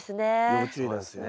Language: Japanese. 要注意なんですよね。